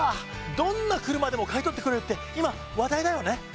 どんな車でも買い取ってくれるって今話題だよね。